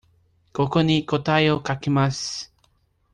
ここに答えを書きます。